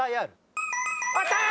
あったー！